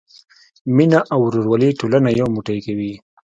مینه او ورورولي ټولنه یو موټی کوي.